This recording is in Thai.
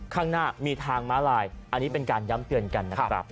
ข้างหน้ามีทางม้าลายอันนี้เป็นการย้ำเตือนกันนะครับ